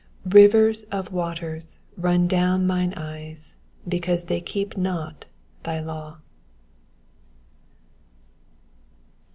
136 Rivers of waters run down mine eyes, because they keep not thy law.